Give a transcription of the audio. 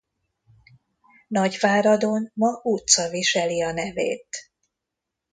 Nagyváradon ma utca viseli a nevét.